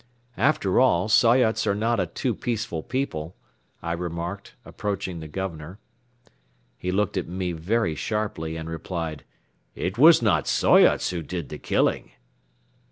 "After all, Soyots are not a too peaceful people," I remarked, approaching the Governor. He looked at me very sharply and replied: "It was not Soyots who did the killing."